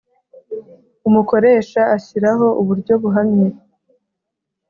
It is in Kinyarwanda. Umukoresha ashyiraho uburyo buhamye